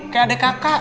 kayak adek kakak